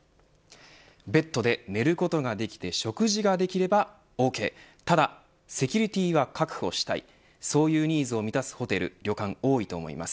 ベッドで寝ることができて食事ができればオーケーただセキュリティーは確保したいそういうニーズを満たすホテル・旅館は多いと思います。